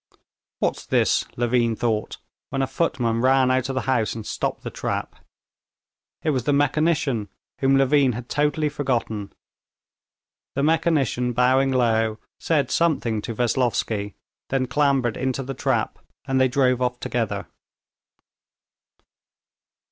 "What's this?" Levin thought, when a footman ran out of the house and stopped the trap. It was the mechanician, whom Levin had totally forgotten. The mechanician, bowing low, said something to Veslovsky, then clambered into the trap, and they drove off together.